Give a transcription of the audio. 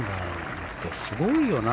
本当、すごいよな